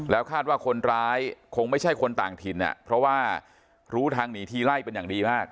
คาดว่าคนร้ายคงไม่ใช่คนต่างถิ่นเพราะว่ารู้ทางหนีทีไล่เป็นอย่างดีมาก